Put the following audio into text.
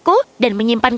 kau akan menangkapku fluff